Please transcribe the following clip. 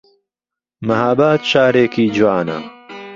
مەهاباد شارێکی جوانە